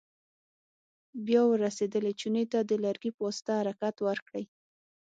بیا ور رسېدلې چونې ته د لرګي په واسطه حرکت ورکړئ.